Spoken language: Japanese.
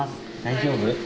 大丈夫？